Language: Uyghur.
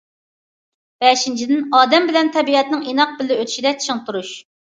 بەشىنچىدىن، ئادەم بىلەن تەبىئەتنىڭ ئىناق بىللە ئۆتۈشىدە چىڭ تۇرۇش.